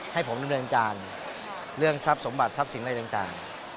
ให้ผมอะไรต่างเรื่องทรัพย์สมบัติทรัพย์สิ่งอะไรต่าง